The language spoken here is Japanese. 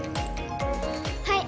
はい。